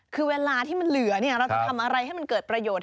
คือเวลาที่มันเหลือเราจะทำอะไรให้มันเกิดประโยชน